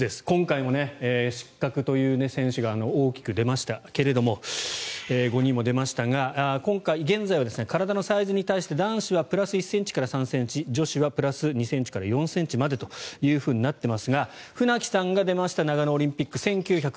今回も失格という選手が多く出ましたけれども５人も出ましたが現在は体のサイズに対して男子はプラス１ｃｍから３ｃｍ女子はプラス２ｃｍから４ｃｍまでとなっていますが船木さんが出ました長野オリンピック